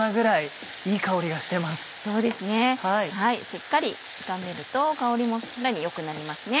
しっかり炒めると香りも良くなりますね。